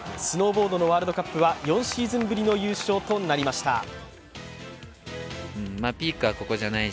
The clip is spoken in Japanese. スノーボードのワールドカップは４シーズンぶりの優勝となりました